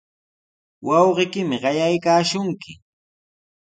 Wawqiykimi qayaykaashunki.